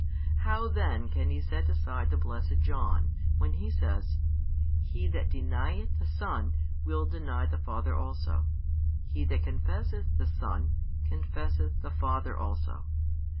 How then can he set aside the blessed John, when he says: He that denieth the Son, will deny the Father also: he that confesseth the |373 Son, confesseth the Father also?